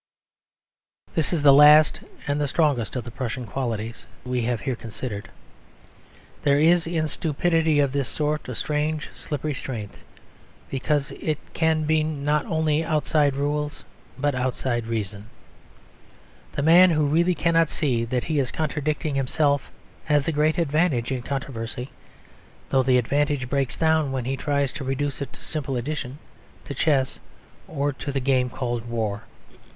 This is the last and strongest of the Prussian qualities we have here considered. There is in stupidity of this sort a strange slippery strength: because it can be not only outside rules but outside reason. The man who really cannot see that he is contradicting himself has a great advantage in controversy; though the advantage breaks down when he tries to reduce it to simple addition, to chess, or to the game called war.